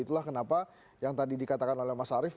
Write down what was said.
itulah kenapa yang tadi dikatakan oleh mas arief